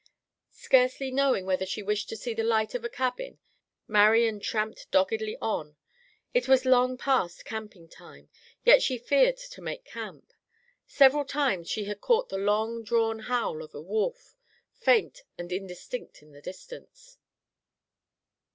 Scarcely knowing whether she wished to see the light of a cabin, Marian tramped doggedly on. It was long past camping time, yet she feared to make camp. Several times she had caught the long drawn howl of a wolf, faint and indistinct in the distance.